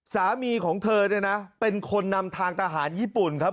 สามีของเธอเนี่ยนะเป็นคนนำทางทหารญี่ปุ่นครับ